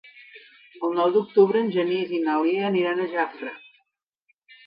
El nou d'octubre en Genís i na Lia aniran a Jafre.